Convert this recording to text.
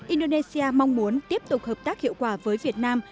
indonesia mong muốn tiếp tục hợp tác hiệu quả với việt nam